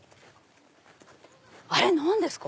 あれ何ですか？